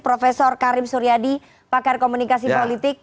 prof karim suryadi pakar komunikasi politik